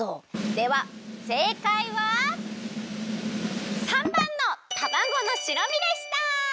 ではせいかいは③ばんのたまごの白身でした！